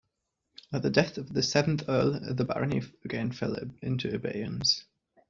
At the death of the seventh earl, the barony again fell into abeyance.